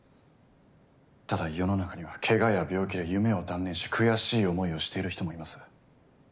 ただ世の中にはけがや病気で夢を断念し悔しい思いをしている人もいます。